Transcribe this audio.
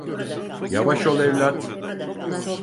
Yavaş ol evlat.